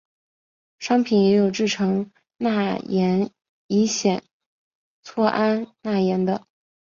商品也有制成钠盐乙酰唑胺钠盐的。